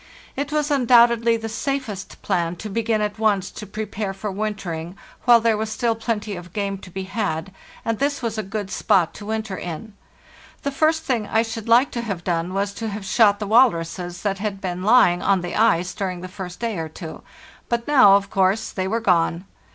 It was undoubtedly the safest plan to begin at once to prepare for wintering while there was still plenty of game to be had; and this was a good spot to winter in. The first thing I should like to have done was to have shot the walruses that had been lying on the ice during the first day or two; but now, of course, they were gone.